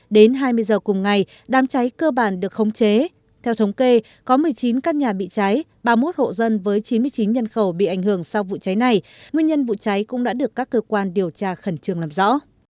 đến hai mươi giờ cùng ngày đám cháy cơ bản được khống chế theo thống kê có một mươi chín căn nhà bị cháy ba mươi một hộ dân với chín mươi chín nhân khẩu bị ảnh hưởng sau vụ cháy này nguyên nhân vụ cháy cũng đã được các cơ quan điều tra khẩn trương làm rõ